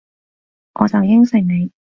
我就應承你